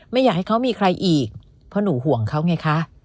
ไม่อยากให้เขามีใครอีกเพราะหนูห่วงเขาไงคะ